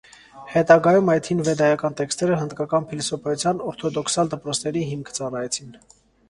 Հետագայում, այդ հին վեդայական տեքստերը հնդկական փիլիսոփայության օրթոդոքսալ դպրոցների հիմք ծառայեցին։